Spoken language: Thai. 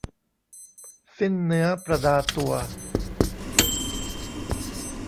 สิ้นเนื้อประดาตัว